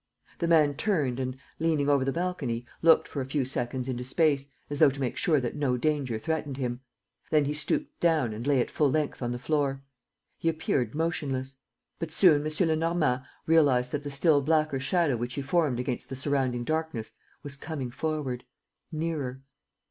The man turned and, leaning over the balcony, looked for a few seconds into space, as though to make sure that no danger threatened him. Then he stooped down and lay at full length on the floor. He appeared motionless. But soon M. Lenormand realized that the still blacker shadow which he formed against the surrounding darkness was coming forward, nearer.